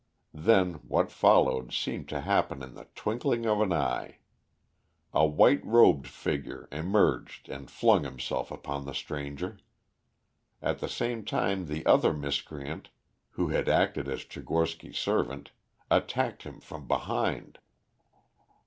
Then what followed seemed to happen in the twinkling of an eye. A white robed figure emerged and flung himself upon the stranger. At the same time the other miscreant, who had acted as Tchigorsky's servant, attacked him from behind.